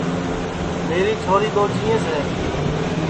میری چھوری دؔو جِیئینٚس ہے